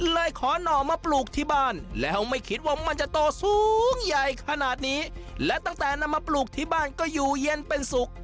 เลยขอหน่อมาปลูกที่บ้านแล้วไม่คิดว่ามันจะโตสูงใหญ่ขนาดนี้และตั้งแต่นำมาปลูกที่บ้านก็อยู่เย็นเป็นสุข